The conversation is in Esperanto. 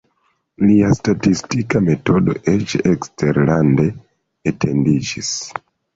Lia statistika metodo eĉ eksterlande etendiĝis.